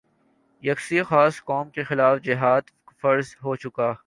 یا کسی خاص قوم کے خلاف جہاد فرض ہو چکا ہے